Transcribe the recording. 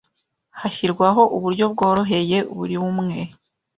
hashyirwaho uburyo bworoheye buri umwe